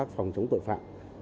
phòng chống tội phạm